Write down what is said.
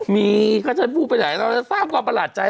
มีก็จะพูดไปหน่อยเราจะทราบกว่าประหลาดใจ